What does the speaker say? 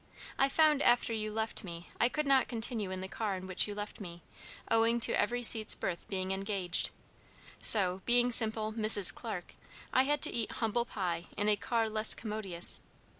I found, after you left me, I could not continue in the car in which you left me, owing to every seat's berth being engaged; so, being simple Mrs. Clarke, I had to eat 'humble pie' in a car less commodious.